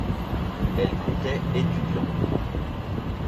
Elle comptait étudiants.